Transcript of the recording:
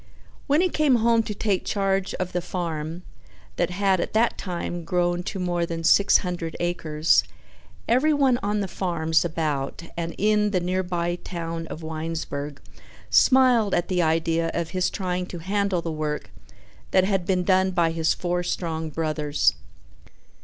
When he came home to take charge of the farm, that had at that time grown to more than six hundred acres, everyone on the farms about and in the nearby town of Winesburg smiled at the idea of his trying to handle the work that had been done by his four strong brothers.